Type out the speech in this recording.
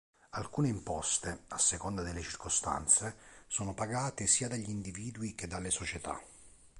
Alcune imposte, a seconda delle circostanze, sono pagate sia dagli individui che dalle società.